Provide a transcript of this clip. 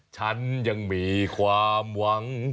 ฉันยังมีความหวัง